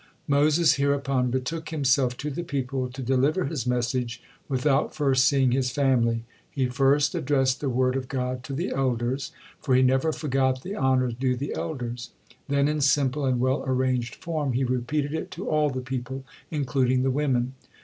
Moses hereupon betook himself to the people to deliver his message, without first seeing his family. He first addressed the word of God to the elders, for he never forgot the honor due the elders. Then, in simple and well arranged form, he repeated it to all the people, including the women.